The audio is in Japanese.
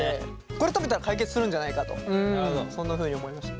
これ食べたら解決するんじゃないかとそんなふうに思いました。